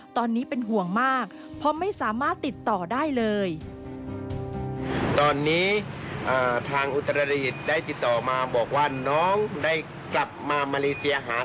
ตอนนี้เป็นห่วงมากเพราะไม่สามารถติดต่อได้เลย